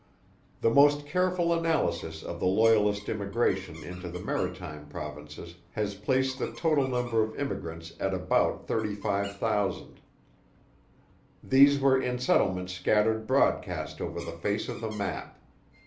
The most careful analysis of the Loyalist immigration into the Maritime Provinces has placed the total number of immigrants at about 35,000. These were in settlements scattered broadcast over the face of the map.